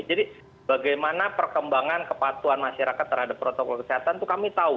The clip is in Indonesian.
jadi bagaimana perkembangan kepatuan masyarakat terhadap protokol kesehatan itu kami tahu